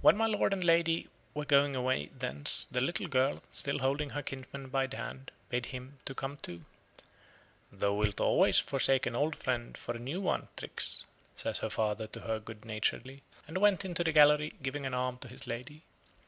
When my lord and lady were going away thence, the little girl, still holding her kinsman by the hand, bade him to come too. "Thou wilt always forsake an old friend for a new one, Trix," says her father to her good naturedly; and went into the gallery, giving an arm to his lady.